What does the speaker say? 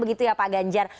gitu ya pak ganjar